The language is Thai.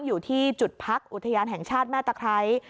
อยู่ที่จุดพักอุทยานแห่งชาติแม่ตะไคร้